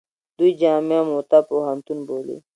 دوی جامعه موته پوهنتون بولي.